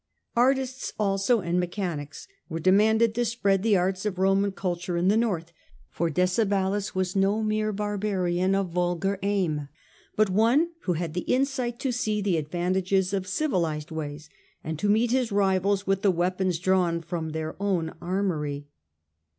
Artists also and me chanics were demanded to spread the arts of Roman culture in the north, for Dccebaliis was no mere barbarian of vulgar aim, but one who had the insight to see the advantages of civilized ways, and to meet his rivals with the weapons drawn from their own armoury.